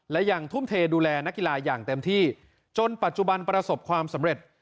และยังทุ่มเทดูแลนักกีฬาอย่างเต็มที่จนปัจจุบันประสบความสำเร็จ